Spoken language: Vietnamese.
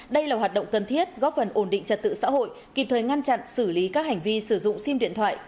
đây là hoạt động cần thiết góp phần ổn định trật tự xã hội kịp thời ngăn chặn xử lý các hành vi sử dụng sim điện thoại